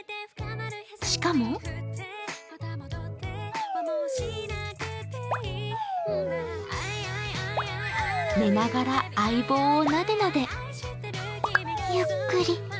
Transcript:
しかも寝ながら相棒をなでなで。